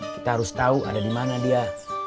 kita harus tau ada dimana dia